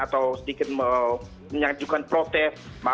atau sedikit menyajukan protes